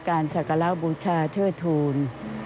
การสักระราบุชาเทือดฑูล